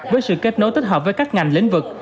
với sự kết nối tích hợp với các ngành lĩnh vực